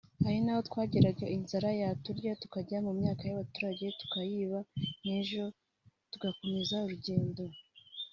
hari n’aho twageraga inzara yaturya tukajya mu myaka y’abaturage tukayiba nk’ejo tugakomeza urugendo